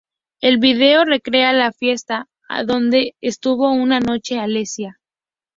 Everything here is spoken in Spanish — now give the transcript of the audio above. El vídeo recrea la fiesta donde estuvo una noche Alessia.